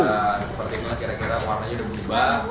sepertinya kira kira warnanya udah berubah